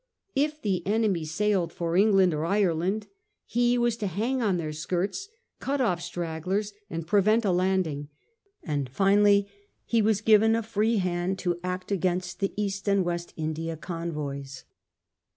If the enemy sailed for England or Ireland, he was to hang on their skirts, cut off stragglers, and prevent a landing; and, finally, he was given a free hand to act against the East and West India convoys.